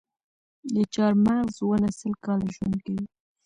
د چهارمغز ونه سل کاله ژوند کوي؟